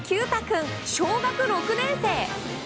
君、小学６年生。